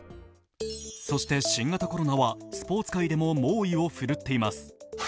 そして新型コロナはスポーツ界でも猛威を振るっています。